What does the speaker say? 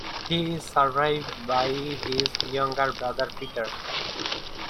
He is survived by his younger brother Peter.